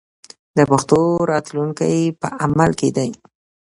د پښتو راتلونکی په عمل کې دی.